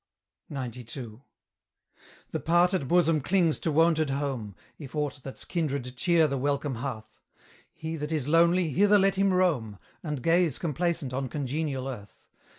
XCII. The parted bosom clings to wonted home, If aught that's kindred cheer the welcome hearth; He that is lonely, hither let him roam, And gaze complacent on congenial earth.